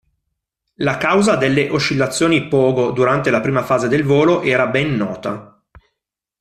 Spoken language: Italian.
La causa delle oscillazioni pogo durante la prima fase del volo era ben nota.